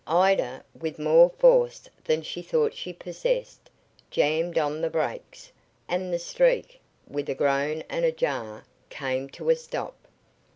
Ida, with more force than she thought she possessed, jammed on the brakes, and the Streak, with a groan and a jar, came to a stop.